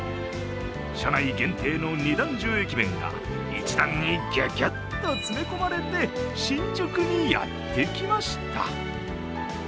車内限定の二段重駅弁が、１段にぎゅぎゅっと詰め込まれて新宿にやってきました。